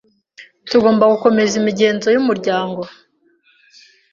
Tugomba gukomeza imigenzo yumuryango.